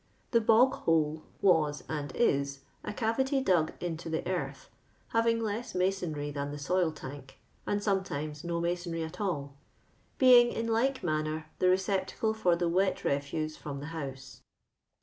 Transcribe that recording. The ^* l>of;: hnle" was, and is, a cavity dug into the earth, lia\4ng less masonry tlian the Roil Uuik, and soinetimos no masonry at all. being in like mimnor the recoi)tacle for the wet refuse from tho house.